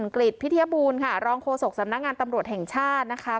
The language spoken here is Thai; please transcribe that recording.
กริจพิทยาบูรณ์ค่ะรองโฆษกสำนักงานตำรวจแห่งชาตินะคะ